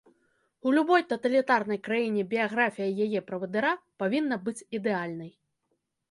У любой таталітарнай краіне біяграфія яе правадыра павінна быць ідэальнай.